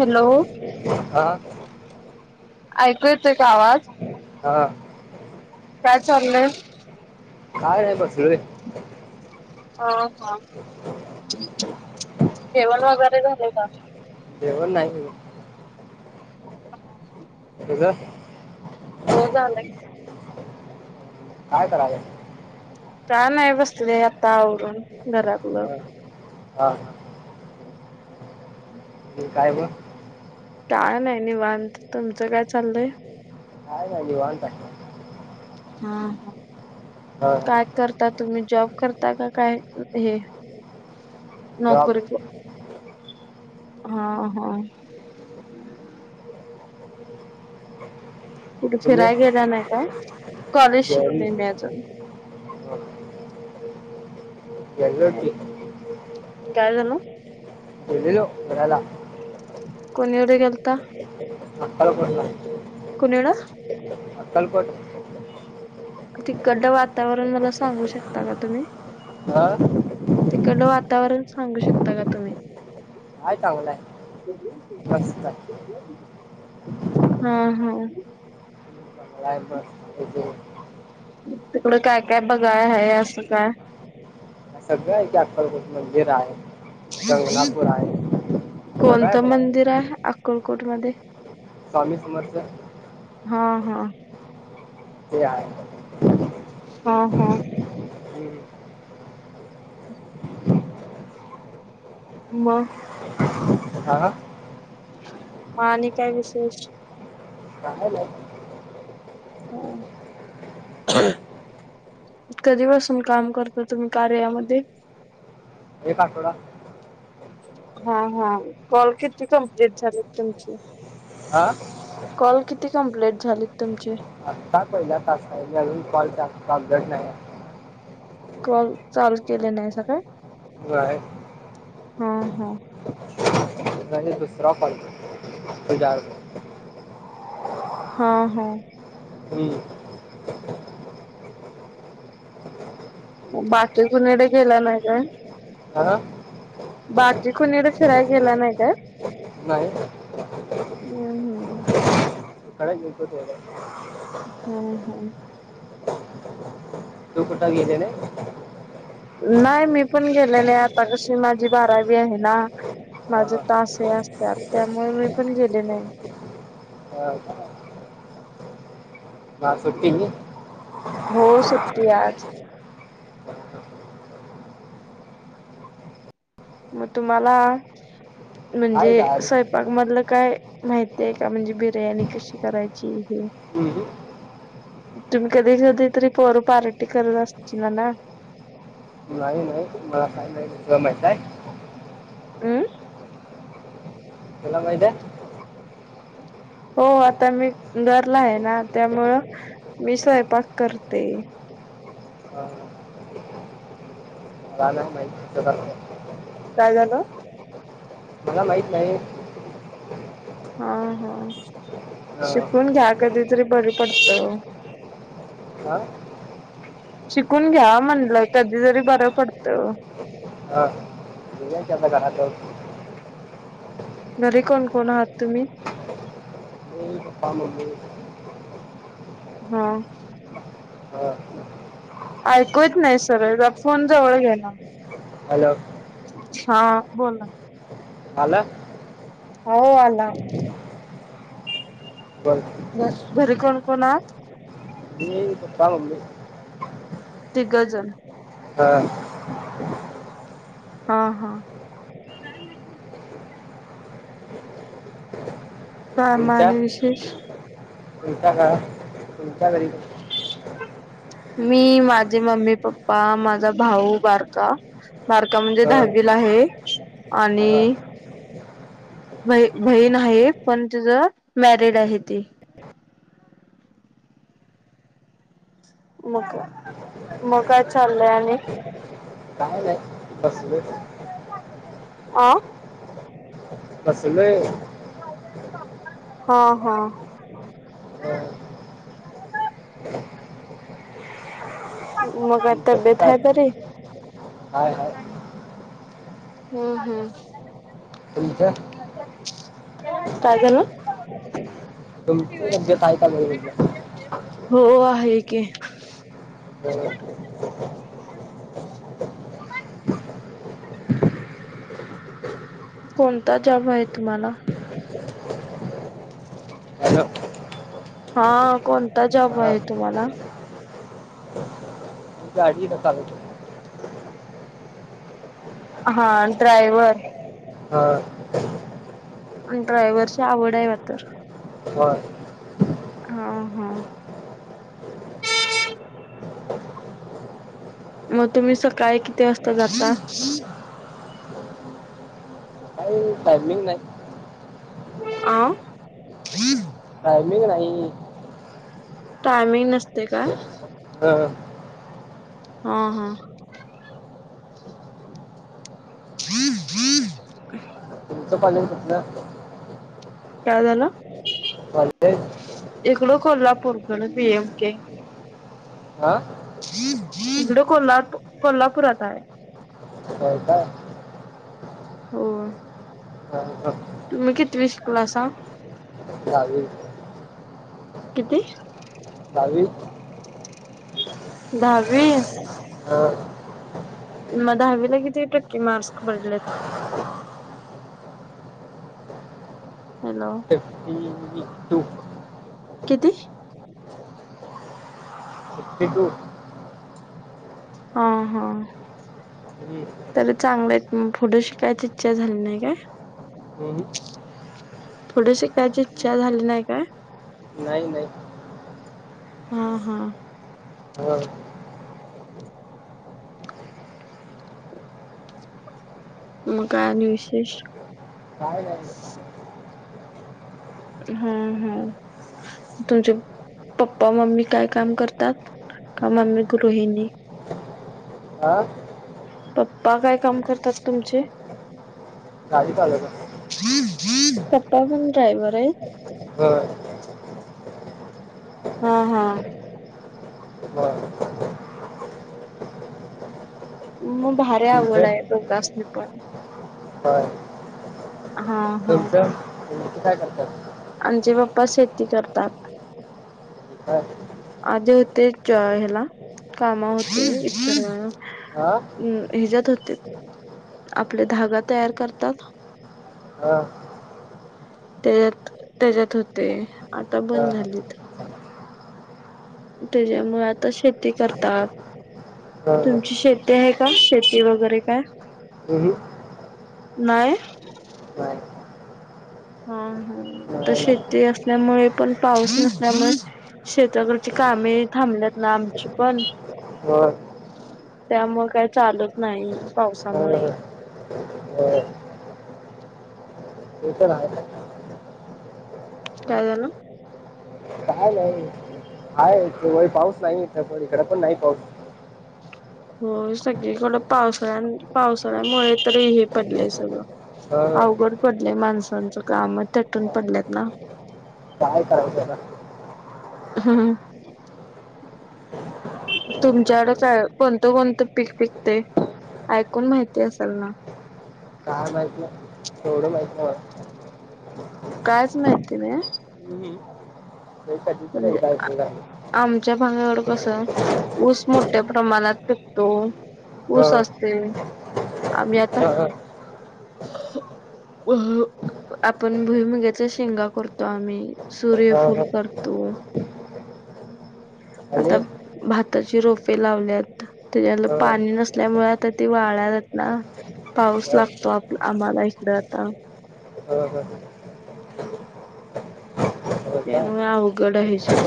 Hello हा ऐकू येतोय का आवाज हा काय चाललंय काय नाही बसलेलो ह हा जेवण वगैरे झाले का तेवण नाही ह कसं हो झाला काय कराले का नाही बसते र आता आवरून घरातलं हा हा काय ब काय नाय निवांत तर तुमचं काय चाललंय काय नाहीलव वाता हा ह हा काय कर ता तुम्ही जॉब करता का काय हे जॉब नोकरी हा होा तुठे तुम्ही फिरायला गेला नाही काय कॉलेज जेवली शिकते मी हा. अजून एलोट काय झाण एलो कला कोणी एवढे गेलता मप कोणीला कलपत तििकड्ड वातावरण मला सांगू शकता का तुम्ही हह तिकड वातावरण सांगू शकता का तुम्ही आयटांग हम् हम य बास क तिकडं काय काय बघाय आहे असं काय सगळं आहे अक्कलकोट मंदिर आहे गंगनापूर आहे सगळं आहे कोणतं मंदिर बघायला आहे अक्कलकोट मध्ये स्वामी समर्थ हा हा ते हा हा हम्म. म हा मा आणि काय विशेष काले हो कधीपासून काम करता तुम्ही कार्यामध्ये एकेतकोड हा हा कॉल किती कम्प्लीट झालीत तुमची हा कॉल किती कम्प्लेट झालेत तुमचे? आत्ता पहिल्या तास आहेजे अजून कॉल घट नाही. कॉल चालू केले नाहीसा काय? बरंय हो हो दुसरा फल तुजार [unintelligible] हा हा हम्म बाकी कुनीडे गेला नाय काय? हा बाकी कुणीकडं फिराय गेला नाय का? नाही. हम् हम्म का गतत [inaudible] हम् हम तू कुठं गेलेले? नाही मी पण गेलेले आता जशी माझी बारावी हाय ना माझे हा, तास हे असतात. त्यामुळे मी पण गेले नाय ह का [inaudible] आज सुट्टी? हो सुट्टी आहे. मग तुम्हाला आहे का आज म्हणजे- बाग मधलं काय माहिती आहे का म्हणजे बिर्याणी कशी करायची हे? हम्म. तुम्ही कधी कधी तरी पोर पार्टी करत असचीला ना? नाही नाही [inaudible] [unintelligible] अमम केला महितय? हो आता मी धरला आहे ना त्यामुळं मी स्वयंपाक करते. ह [inaudible] का माहि [unintelligible] [inaudible] काय झालं? मला माहित नाही. हा हा हा. शिकून घ्या कधीतरी बरं पडत. का? शिकून घ्या म्हणलं कधी तरी बरं पडतं. हा केला की आता घरातल्यांनी [unintelligible] घरी कोण कोण आहात तुम्ही? पपा मम्मी हा हा ऐकूत येत नाय सरळ फोन जवळ घ्या ना हॅलो! हा बोला आला हो हो आला. बोल घ घरी कोण कोण आहात? मी पपा मम्मी तिघजनं? हा हा हा काय म्हण का माणे विशेष तुलचा का तुलचा घरी [inaudible] मी माझे मम्मी पप्पा माझा भाऊ बारका बारका म्हणजे हां दहावीला आहे आणि हा बहीण आहे पण तुझ मॅरिड आहे ती मग काय चाललय आणि काय नाही बसलोय आ बसलोय हा हा हम मग काय तब्बेत हाय बरी हाय हाय हम्म हम्म तुमचं काय झालं तुमच सध्या काय चालू हाय म्हटलं हो आहे की हो हम् कोणता जॉब आहे तुम्हाला हॅलो हा कोणता जॉब हां आहे तुम्हाला मी गाडी एकाची चालवतो हा ड्रायवर हा ड्रायव्हरची आवड आहे वाटतं व्हय ह ह मग तुम्ही सकाळी किती वाजता जाता काय टायमिंग नाही आ टायमिंग नाही टायमिंग नसते काय हम हा हा हम हम झोप आली का तुला काय झालं कॉलेज इकडं कोल्हापूरकडे पीएम के हां इकडं कोल्हा कोल्हापुरात आहे होय काय हो हम ह तुम्ही कितीवी शिकलासां चालू आहे किती चावी दहावी हा मग दहावी ला किती टक्के मार्क्स पडलेत हॅलो फिफ्टी टू किती तकू हा हा हम् तर चांगलंय पुढं शिकायची इच्छा झाली नाही काय थोडीशी कायची इच्छा झाली नाही का नाही नाही हा हा हा म काय आणि विशेष काय नाही हा हा तुमचे पप्पा मम्मी काय काम करतात का मम्मी गृहिणी आह पप्पा काय काम करतात तुमचे काही चाले का पप्पा पण ड्रायव्हर आहे हा हा हा बर मग भारी आवड आहे दोगासणी पण ह हा हा तुम्ही काय करतात आंमचे पप्पा शेती करतात हा आज होते जय हला काम होते श हां हम् हिच्यात होते आपले धागा तयार करतात हा त्याच्यात त्याच्यात होते आता हां बंद झालेत त्याच्यामुळे आता शेती करतात हां तुमची शेती आहे का शेती वगैरे काय हे नाहीय नाही हा हा आता नाही नाही शेती असल्यामुळे पण पाऊस नसल्यामुळे शेेतकडची कामे थांबल्यात ना आमची पण हो त्यामुळे काही चालत नाही पावसामुळे बरं बरं. ते तर ना राजला काय नाही हाय त व पाऊस नाहीथ इकडे पण नाही पाऊस हो सगळीकडं पावसाळ्या पावसाळ्यामुळे हे पडलंय सगळं हां अवघड पडले माणसांचं काम चटून पडलेत ना काय काय? हा. तुमच्याकड काय कोणतं कोणतं पीक पिकते ऐकून माहिती असेल ना. काय माहित नाही एवढं माहित नाही म कायच माहिती ना. हम्. म्हणजे आमच्या भागावरड कसं. ऊस मोठ्या प्रमाणात पिकतो ऊस हं, असते. आम्ही आता हं, अ आपण भुईमुग्याचा शेंगा करतो आम्ही हं, हं, सूर्यफुल हं. करतो. [unintelligible] आता भाताची रोपे लावल्यात. त्याच्यालं हं, पाणी नसल्यामुळे आता ते वाळतात ना. हं, पाऊस लागतो आप आम्हाला इकड आता ह हा. तेणु आ उघड हसग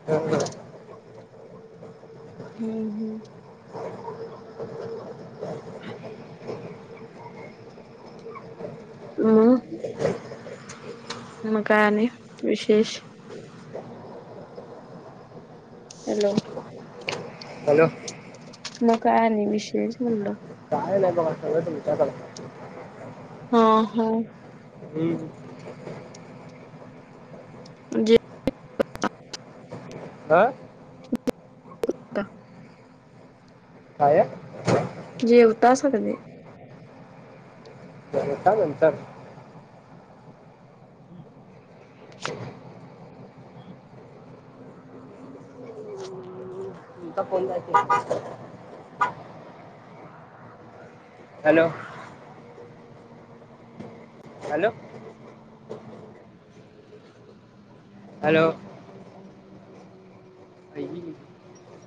ह. हम् हम्. हम्. म म काने विशेष हॅलो. हॅलो मग काय नाही विशेष म्हणलं. म सगळे तुमच्या कलाचे ह होा. हम्. जेवता हां [unintelligible] काय? अ. जे उताार सते गंतर ोन हॅलो. हॅलो हॅलो आई.